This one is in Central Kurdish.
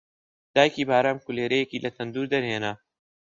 دایکی بارام کولێرەیەکی لە تەندوور دەرهێنا